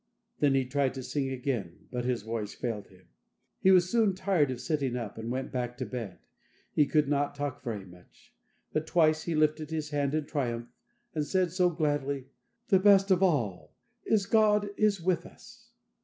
Then he tried to sing again, but his voice failed him. He was soon tired of sitting up, and went back to bed. He could not talk very much; but twice he lifted his hand in triumph, and said so gladly: "The best of all is, God is with us."